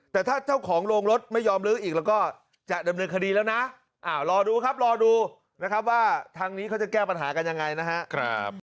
แต่ถ้าเจ้าของโรงรถไม่ยอมลื้ออีกแล้วก็จะดำเนินคดีแล้วนะรอดูครับรอดูนะครับว่าทางนี้เขาจะแก้ปัญหากันยังไงนะครับ